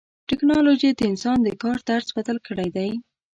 ټکنالوجي د انسان د کار طرز بدل کړی دی.